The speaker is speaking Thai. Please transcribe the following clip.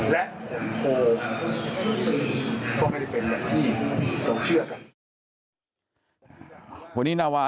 และโพลก็ไม่ได้เป็นแบบที่เราเชื่อกัน